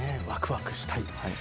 ワクワクしたい。